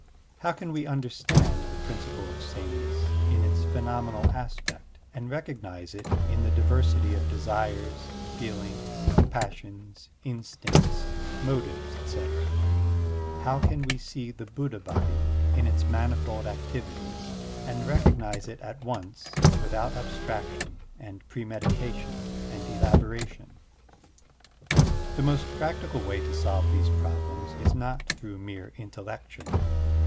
How can we understand the principle of sameness in its phenomenal aspect and recognize it in the diver sity of desires, feelings, passions, instincts, motives, etc.? How can we see the Buddha Body in its manifold activities and recognize it Digitized by Google 68 SERMONS OP A BUDDHIST ABBOT at once without abstraction and premeditation and elaboration? The most practical way to solve these problems is not through mere intellection.